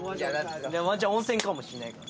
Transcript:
ワンチャン温泉かもしれないから。